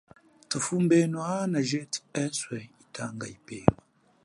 Thufumbenu ana jethu etshee yitanga yipi.